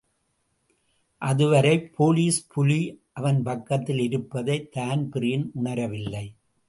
அதுவரை போலிஸ் புலி அவன் பக்கத்தில் இருப்பதை தான்பிரீன் உணரவில்லை.